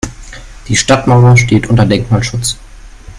Die Stadtmauer steht unter Denkmalschutz.